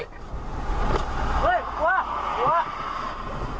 เฮ้ยหัวหัว